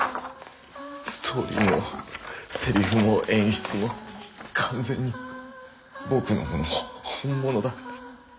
ストーリーもセリフも演出も完全に僕のものほ本物だ。